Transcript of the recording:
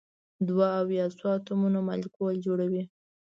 دوه او یا څو اتومونه مالیکول جوړوي.